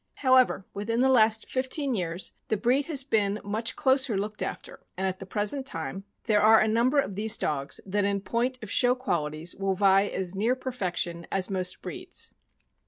However, within the last fifteen years the breed has been much closer looked after, and at the present time, there are a THE IRISH TERRIER. 421 number of these clogs that in point of show qualities will vie as near perfection as most breeds.